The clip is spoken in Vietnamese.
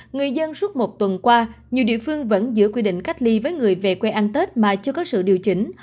người dân suốt một tuần qua nhiều địa phương vẫn giữ quy định cách ly với người về quê ăn tết mà chưa có sự điều chỉnh